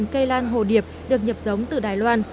một mươi ba cây lan hồ điệp được nhập giống từ đài loan